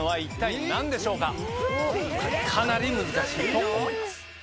かなり難しいと思います。